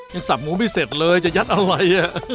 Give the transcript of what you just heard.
สับหมูไม่เสร็จเลยจะยัดอะไร